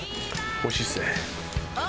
おいしいっすね。